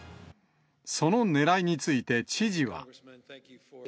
そのねらいについて知事は。